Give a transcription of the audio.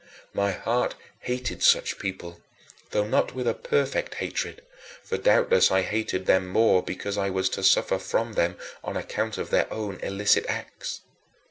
My heart hated such people, though not with a "perfect hatred"; for doubtless I hated them more because I was to suffer from them than on account of their own illicit acts.